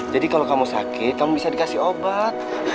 jadi kalau kamu sakit kamu bisa dikasih obat